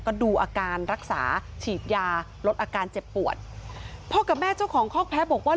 ก็ดูอาการรักษาฉีดยาลดอาการเจ็บปวดพ่อกับแม่เจ้าของคอกแพ้บอกว่า